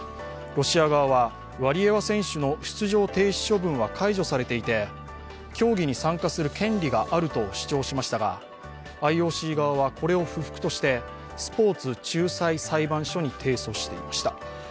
ロシア側は、ワリエワ選手の出場停止処分は解除されていて、競技に参加する権利があると主張しましたが、ＩＯＣ側はこれを不服としてスポーツ仲裁裁判所に提訴していました。